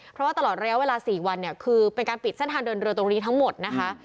เพราะว่าตลอดระยะเวลา๔วันเนี่ยคือเป็นการปิดเส้นทางเดินเรือตรงนี้ทั้งหมดนะคะ